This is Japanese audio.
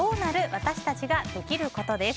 私たちができることです。